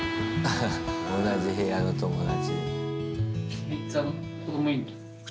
ハハッ同じ部屋の友達。